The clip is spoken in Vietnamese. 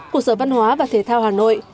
cục sở văn hóa và thể thao hà nội